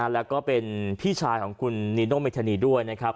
แล้วก็เป็นพี่ชายของคุณนีโนเมธานีด้วยนะครับ